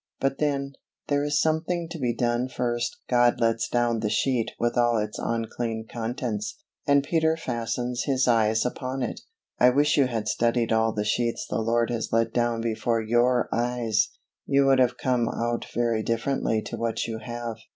But then, there is something to be done first God lets down the sheet with all its unclean contents, and Peter fastens his eyes upon it. (I wish you had studied all the sheets the Lord has let down before your eyes, you would have come out very differently to what you have.)